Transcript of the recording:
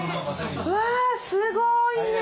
うわすごいね！